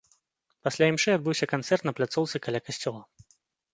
Пасля імшы адбыўся канцэрт на пляцоўцы каля касцёла.